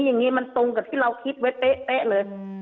อย่างนี้มันตรงกับที่เราคิดไว้เป๊ะเลย